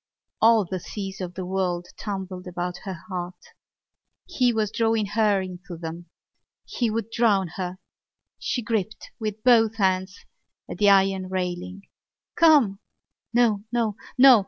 All the seas of the world tumbled about her heart. He was drawing her into them: he would drown her. She gripped with both hands at the iron railing. "Come!" No! No! No!